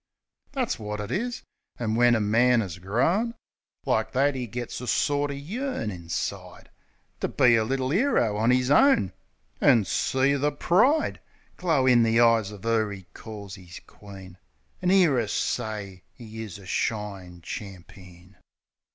That's wot it is. An' when a man 'as grown Like that 'e gets a sorter yearn inside To be a little 'ero on 'is own; An' see the pride Glow in the eyes of 'er 'e calls 'is queen; An' 'ear 'er say 'e is a shine champeen.